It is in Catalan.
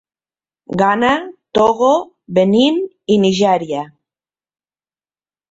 Ghana, Togo, Benín i Nigèria.